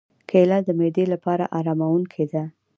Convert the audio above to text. کېله د معدې لپاره آراموونکې ده.